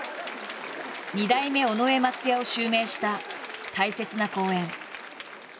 二代目尾上松也を襲名した大切な公演。